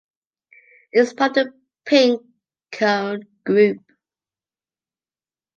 It is part of the Pink Cone Group.